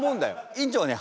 院長はね